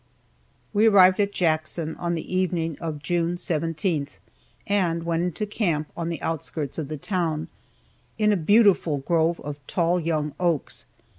We arrived at Jackson on the evening of June 17, and went into camp in the outskirts of the town, in a beautiful grove of tall young oaks.